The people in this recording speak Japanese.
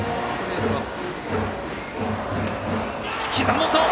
ひざ元！